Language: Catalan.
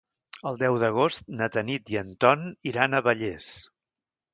El deu d'agost na Tanit i en Ton iran a Vallés.